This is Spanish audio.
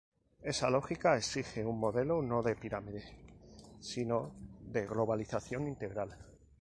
Esa lógica exige un modelo no de pirámide, sino de globalización integral.